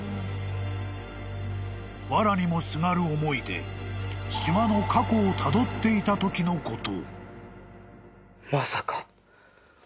［わらにもすがる思いで島の過去をたどっていたときのこと］